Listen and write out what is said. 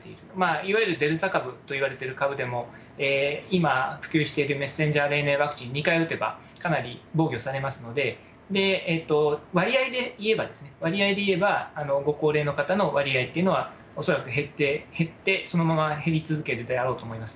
いわゆるデルタ株といわれてる株でも、今、普及しているメッセンジャーＲＮＡワクチン、２回打てばかなり防御されますので、割合でいえば、割合でいえば、ご高齢の方の割合というのは、恐らく減って、減ってそのまま減り続けるであろうと思います。